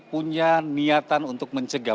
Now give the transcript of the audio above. punya niatan untuk mencegah